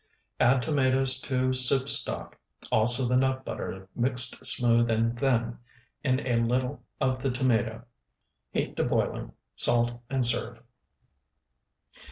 Add tomatoes to soup stock, also the nut butter mixed smooth and thin in a little of the tomato; heat to boiling, salt, and serve.